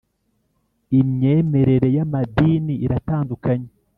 Imyemerere yamadini iratandukanye